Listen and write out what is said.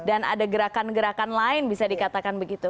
dan ada gerakan gerakan lain bisa dikatakan begitu